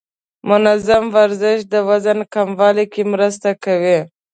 منظم ورزش د وزن کمولو کې مرسته کوي.